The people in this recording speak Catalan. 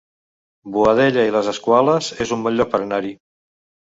Boadella i les Escaules es un bon lloc per anar-hi